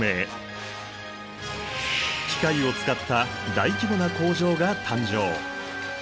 機械を使った大規模な工場が誕生。